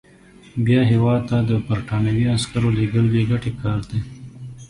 بیا هیواد ته د برټانوي عسکرو لېږل بې ګټې کار دی.